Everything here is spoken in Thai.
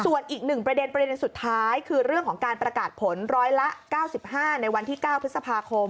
ส่วนอีกหนึ่งประเด็นประเด็นสุดท้ายคือเรื่องของการประกาศผลร้อยละ๙๕ในวันที่๙พฤษภาคม